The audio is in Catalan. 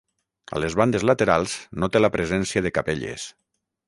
A les bandes laterals no té la presència de capelles.